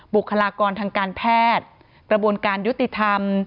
บุคลากรทางการแพทย์กระบวนการยุติธรรม